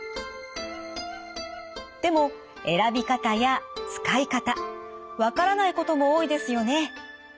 でも選び方や使い方分からないことも多いですよね。